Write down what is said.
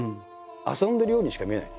「遊んでるようにしか見えない」。